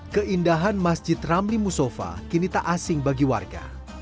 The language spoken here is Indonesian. keindahan masjid ramli musofa kini tak asing bagi warga